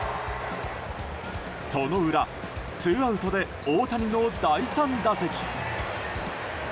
その裏、ツーアウトで大谷の第３打席。